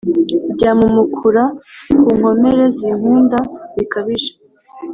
Byamumukura ku nkomere zinkunda bikabije